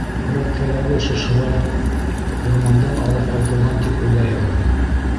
Һүрәттәрҙәге шыршылар урмандан алып ҡайтылған тип уйлайһығыҙмы?